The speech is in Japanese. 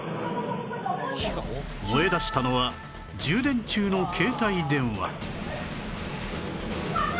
燃えだしたのは充電中の携帯電話